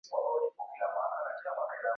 tutajibu swali hilo kwa mara ya pili